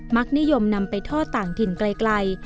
นิยมนำไปทอดต่างถิ่นไกล